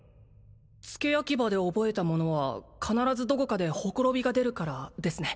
付け焼き刃で覚えたものは必ずどこかでほころびが出るからですね